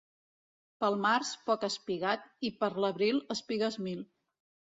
Pel març, poc espigat, i per l'abril, espigues mil.